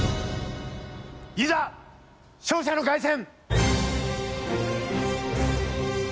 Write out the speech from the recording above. いざ勝者の凱旋！